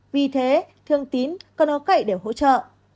vì thế thương tín còn áo cậy để hỗ trợ